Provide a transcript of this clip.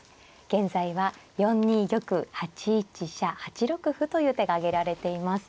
現在は４二玉８一飛車８六歩という手が挙げられています。